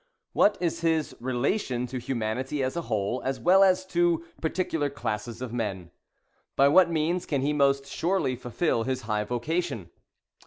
— what is his relation to humanity as a whole, as well as to particular classes of men? — by what means can he most surely fulfil his high vocation?